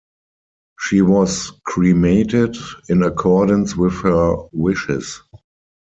She was cremated in accordance with her wishes.